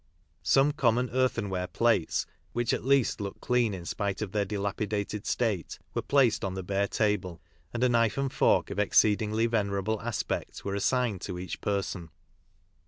Some common earthenware plates, which at least looked clean in spite of their dilapidated state, were placed on the bare table, and a knife and fork of exceedingly venerable aspect were assigned to each person.